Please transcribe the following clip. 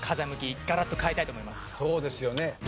そうですよね。